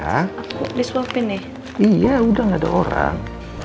aku disuapin nih iya udah gak ada orang